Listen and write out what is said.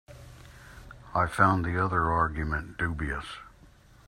I find the other argument dubious.